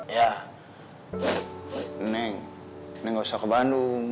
ya saya gak usah ke bandung